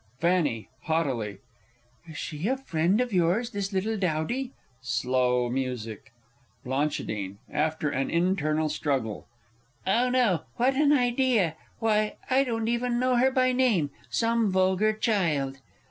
F. (haughtily). Is she a friend of yours this little dowdy? [Slow music. Bl. (after an internal struggle). Oh, no, what an idea! Why, I don't even know her by name! Some vulgar child